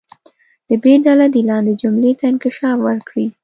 د ب ډله دې لاندې جملې ته انکشاف ورکړي.